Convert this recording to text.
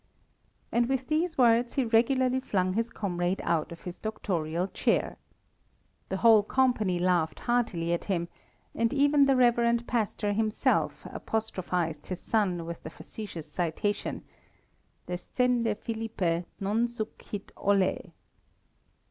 And with these words he regularly flung his comrade out of his doctorial chair. The whole company laughed heartily at him, and even the Rev. Pastor himself apostrophized his son with the facetious citation: "_Descende Philippe, non sunt hic ollae!